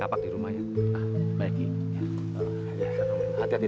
aku sudah berhenti